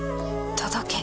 届け。